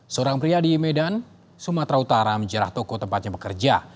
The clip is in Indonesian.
seorang pria di medan sumatera utara menjerah toko tempatnya bekerja